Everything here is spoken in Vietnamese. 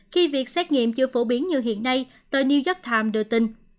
khi việc xét nghiệm chưa phổ biến như hiện nay tờ new york times đưa tin